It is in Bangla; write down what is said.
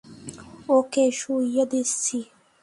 ওকে শুইয়ে দিচ্ছি।